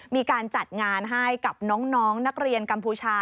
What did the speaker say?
มีการจัดงานให้กับน้องนักเรียนกัมพูชา